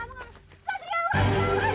gak usah pake uang